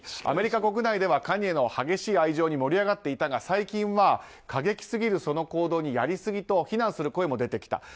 アメリカ国内ではカニエの激しい愛情に盛り上がっていたが最近は、過激すぎる行動にやりすぎと非難する声も出てきた。